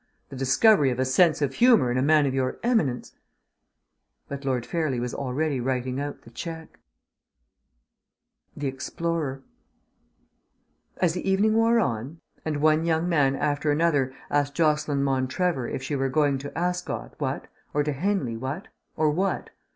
The discovery of a sense of humour in a man of your eminence " But Lord Fairlie was already writing out the cheque. THE EXPLORER As the evening wore on and one young man after another asked Jocelyn Montrevor if she were going to Ascot, what? or to Henley, what? or what?